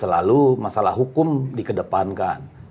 selalu masalah hukum dikedepankan